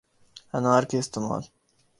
انار کے استعمال